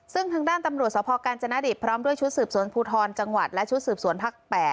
ซึ่งทางด้านตำรวจสภกาญจนดิตพร้อมด้วยชุดสืบสวนภูทรจังหวัดและชุดสืบสวนภาค๘